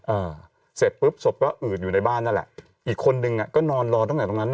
อ่าเสร็จปุ๊บศพก็อืดอยู่ในบ้านนั่นแหละอีกคนนึงอ่ะก็นอนรอตั้งแต่ตรงนั้นน่ะ